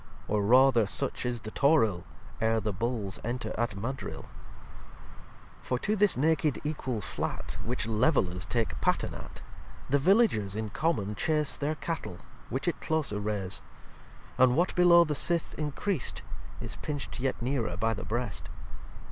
Or rather such is the Toril Ere the Bulls enter at Madril. lvii For to this naked equal Flat, Which Levellers take Pattern at, The Villagers in common chase Their Cattle, which it closer rase; And what below the Sith increast Is pincht yet nearer by the Breast.